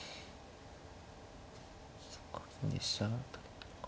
そうかで飛車あたりとか。